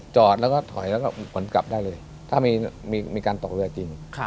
จอดแล้วก็ถอยแล้วก็ขนกลับได้เลยถ้ามีการตกเรือจริง